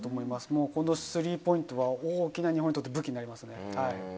もう、このスリーポイントは大きな日本にとって武器になりますね。